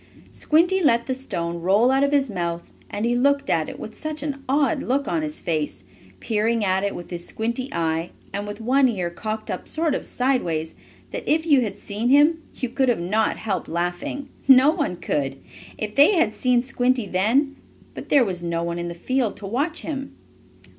Squinty let the stone roll out of his mouth, and he looked at it with such an odd look on his face, peering at it with his squinty eye, and with one ear cocked up sort of sideways, that, if you had seen him, you could not have helped laughing. No one could, if they had seen Squinty then, but there was no one in the field to watch him.